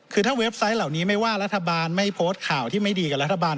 คือถ้าเว็บไซต์เหล่านี้ไม่ว่ารัฐบาลไม่โพสต์ข่าวที่ไม่ดีกับรัฐบาล